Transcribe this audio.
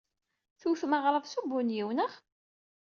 Tewtem aɣrab s ubunyiw, naɣ?